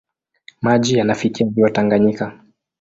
Maji yanafikia ziwa Tanganyika.